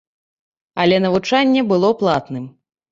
Але навучанне было платным.